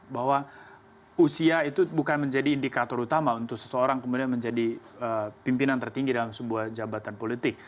bahwa usia itu bukan menjadi indikator utama untuk seseorang kemudian menjadi pimpinan tertinggi dalam sebuah jabatan politik